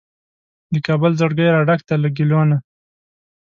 د کابل زړګی راډک دی له ګیلو نه